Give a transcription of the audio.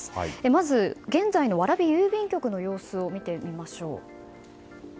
まず、現在の蕨郵便局の様子を見てみましょう。